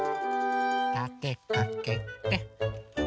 たてかけて。